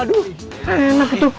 aduh enak itu